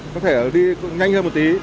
có thể đi nhanh hơn một tí